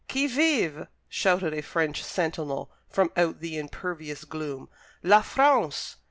"Qui vive?" shouted a French sentinel from out the impervious gloom. "_La France!